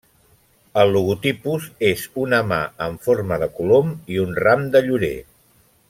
El logotipus és una mà en forma de colom i un ram de llorer.